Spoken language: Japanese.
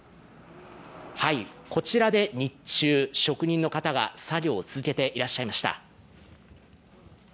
はい、こちらで日中、職人の方が作業を続けてらっしゃいました。